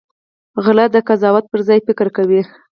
غلی، د قضاوت پر ځای فکر کوي.